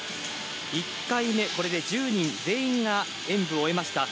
１回目、これで１０人全員が演武を終えました。